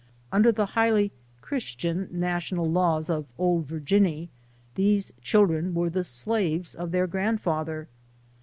Under the highly Christian national laws of "Old Virgiuny," these children were the slaves of their grandfather.